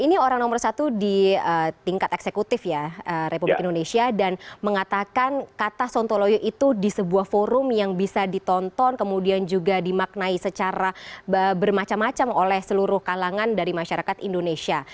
ini orang nomor satu di tingkat eksekutif ya republik indonesia dan mengatakan kata sontoloyo itu di sebuah forum yang bisa ditonton kemudian juga dimaknai secara bermacam macam oleh seluruh kalangan dari masyarakat indonesia